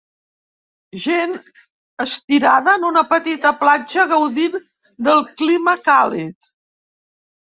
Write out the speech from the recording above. Gent estirada en una petita platja gaudint del clima càlid.